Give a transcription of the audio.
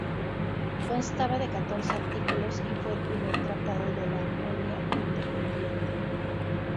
Constaba de catorce artículos y fue el primer tratado de la Armenia independiente.